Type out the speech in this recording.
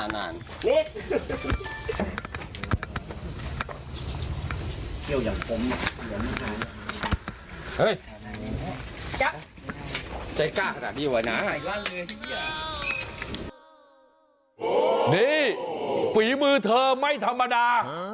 นี่ฝีมือเธอไม่ธรรมดา